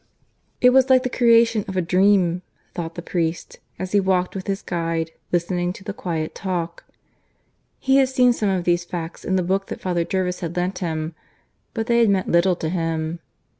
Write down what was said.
It was like the creation of a dream, thought the priest as he walked with his guide, listening to the quiet talk. He had seen some of these facts in the book that Father Jervis had lent him; but they had meant little to him.